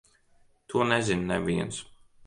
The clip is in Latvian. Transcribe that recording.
To nezina neviens.